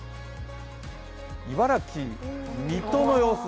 茨城・水戸の様子。